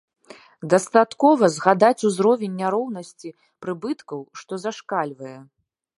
Дастаткова згадаць узровень няроўнасці прыбыткаў, што зашкальвае.